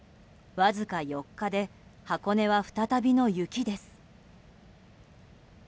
わずか４日で箱根は再びの雪です。